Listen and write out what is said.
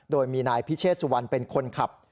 โดยมีนายพิเชษสุวรรณเป็นคนขับ